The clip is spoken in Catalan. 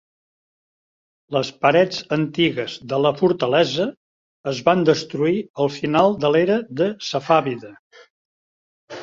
Les parets antigues de la fortalesa es van destruir al final de l'era de safàvida.